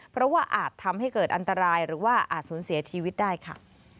เพราะว่าอาจทำให้เกิดอันตรายหรือว่าอาจสูญเสียชีวิตได้ค่ะ